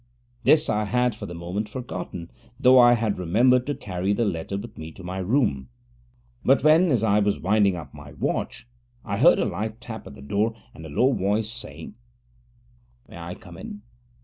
This I had for the moment forgotten, though I had remembered to carry the letter with me to my room. But when, as I was winding up my watch, I heard a light tap at the door, and a low voice saying, 'May I come in?'